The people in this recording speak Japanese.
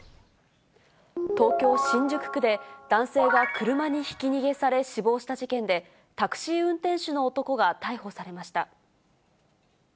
東京・新宿区で男性が車にひき逃げされ、死亡した事件で、タクシー運転手の男が逮捕されました。